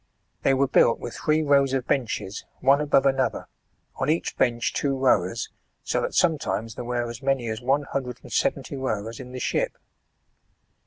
They were built with three rows of benches, one above another, on each bench two rowers, so that sometimes there were as many as one hundred and seventy rowers in the ship.